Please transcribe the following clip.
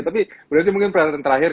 tapi bu desi mungkin peralatan terakhir